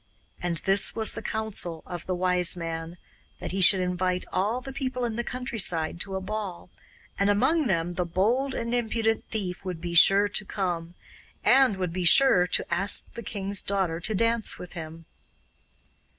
And this was the counsel of the Wise Man that he should invite all the people in the countryside to a ball, and among them the bold and impudent thief would be sure to come, and would be sure to ask the king's daughter to dance with him.